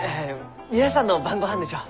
皆さんの晩ごはんでしょう？